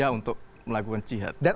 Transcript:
dan angkanya lebih besar ya mas